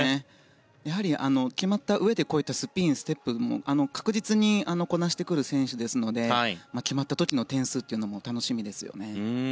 やはり決まったうえでこういったスピン、ステップも確実にこなしてくる選手ですので決まった時の点数というのも楽しみですよね。